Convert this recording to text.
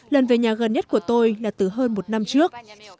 lần về nhà gần nhất của tôi là từ hơn một năm trước